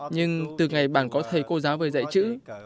nhưng từ ngày bản có thầy cô giáo về trường tôi đã đi học